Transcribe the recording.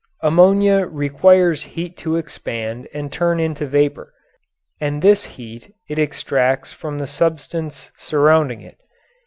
Ammonia requires heat to expand and turn into vapour, and this heat it extracts from the substance surrounding it.